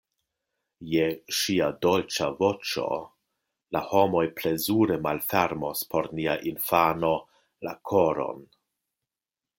Je ŝia dolĉa voĉo la homoj plezure malfermos por nia infano la koron.